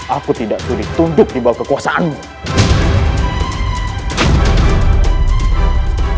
aku tidak sudi tunduk di bawah kekuasaanmu